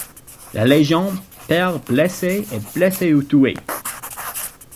La Légion perd blessés et blessés ou tués.